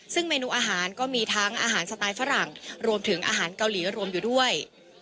ซึ่งเมนูอาหารก็มีทั้งอาหารสไตล์ฝรั่งรวมถึงอาหารเกาหลีรวมอยู่ด้วย